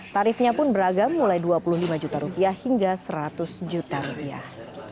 tarifnya pun beragam mulai dua puluh lima juta rupiah hingga seratus juta rupiah